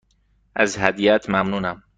از هدیهات ممنونم.